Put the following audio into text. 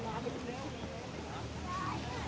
สวัสดีสวัสดี